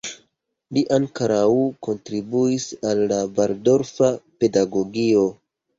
Li ankaŭ kontribuis al la Valdorfa pedagogio.